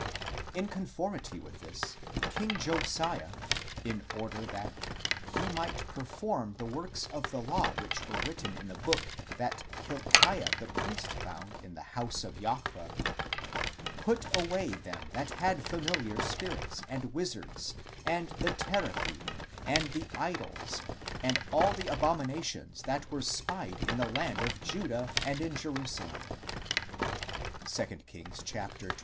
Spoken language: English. In conformity with this, King Josiah, in order that " he might perform the words of the law which were written in the book that Hilkiah the priest found in the house of Jahwe," put away " them that had familiar spirits, and the wizards, and the teraphim, and the idols, and all the abominations that were spied in the land of Judah and in Jerusalem" (2 Kings xxiii. 24).